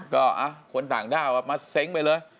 ก็คนต่างด้าวมาเซ้งไปเลย